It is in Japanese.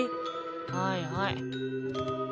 はいはい。